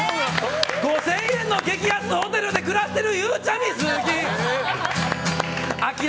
５０００円の激安ホテルで暮らしてるゆうちゃみ好き。